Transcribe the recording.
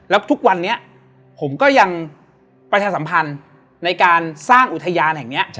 แล้วทุกวันนี้ผมก็ยังประชาสัมพันธ์ในการสร้างอุทยานแห่งนี้